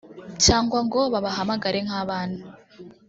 cyangwa ngo babahamagare nk’abana